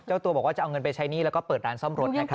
เจ้าตัวบอกว่าจะเอาเงินไปใช้หนี้แล้วก็เปิดร้านซ่อมรถนะครับ